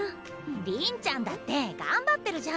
りんちゃんだって頑張ってるじゃん。